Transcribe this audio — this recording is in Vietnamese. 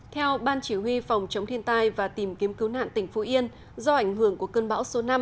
theo ban chỉ huy phòng chống thiên tai và tìm kiếm cứu nạn tỉnh phú yên do ảnh hưởng của cơn bão số năm